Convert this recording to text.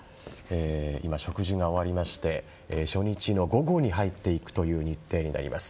今、植樹が終わりまして初日の午後に入っていくという日程になります。